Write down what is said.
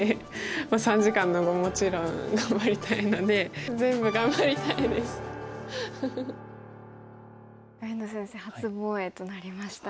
三時間の碁もちろん頑張りたいので上野先生初防衛となりましたね。